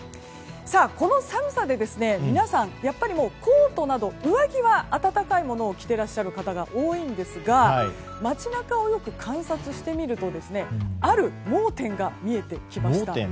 この寒さで皆さんコートなど上着は暖かいものを着ていらっしゃる方が多いんですが街中をよく観察してみるとある盲点が見えてきました。